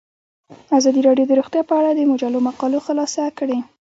ازادي راډیو د روغتیا په اړه د مجلو مقالو خلاصه کړې.